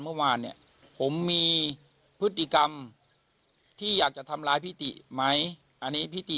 เมื่อวานเนี่ยผมมีพฤติกรรมที่อยากจะทำร้ายพี่ติไหมอันนี้พี่ติ